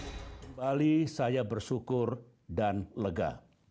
kembali saya bersyukur dan lega